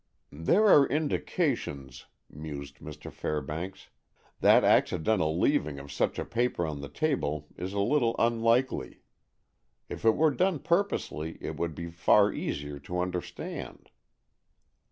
"There are indications," mused Mr. Fairbanks, "that accidental leaving of such a paper on the table is a little unlikely. If it were done purposely, it would be far easier to understand."